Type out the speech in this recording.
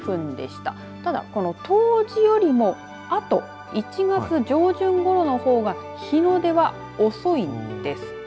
ただ、冬至よりもあと１月上旬ごろのほうが日の出は遅いんです。